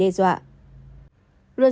luật sư bảo vệ quyền